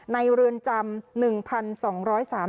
ในเรือนจำ๑๒๓๐ราย